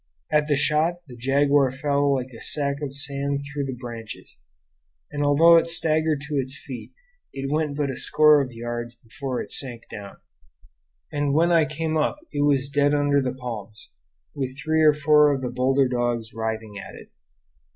At the shot the jaguar fell like a sack of sand through the branches, and although it staggered to its feet it went but a score of yards before it sank down, and when I came up it was dead under the palms, with three or four of the bolder dogs riving at it.